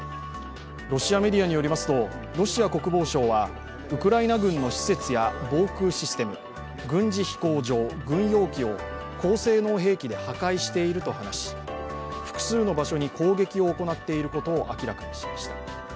ロシアメディアによりますとロシア国防省はウクライナ軍の施設や防空システム、軍事飛行場、軍用機を高性能兵器で破壊していると話し複数の場所に攻撃を行っていることを明らかにしました。